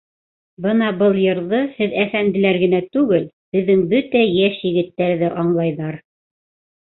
Бына был йырҙы һеҙ әфәнделәр генә түгел, беҙҙең бөтә йәш егеттәр ҙә аңлайҙар.